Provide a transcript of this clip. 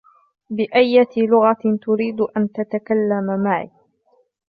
بأيّة لغة تريد أن تتكلم معي ؟